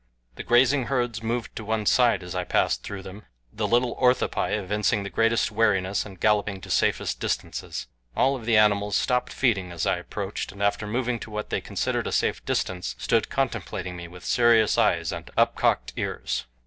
The grazing herds moved to one side as I passed through them, the little orthopi evincing the greatest wariness and galloping to safest distances. All the animals stopped feeding as I approached, and after moving to what they considered a safe distance stood contemplating me with serious eyes and up cocked ears.